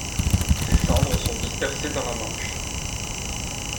Ses cendres sont dispersées dans la Manche.